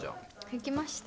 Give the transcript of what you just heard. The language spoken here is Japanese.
できました。